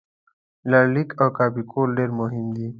لړلیک او کاپي کول ډېر مهم دي.